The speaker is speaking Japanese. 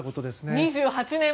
２８年前。